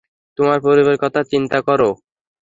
তোমার পরিবারের কথা চিন্তা করো!